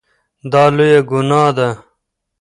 دا لویه ګناه ده.